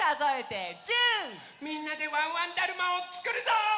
みんなでワンワンだるまをつくるぞ！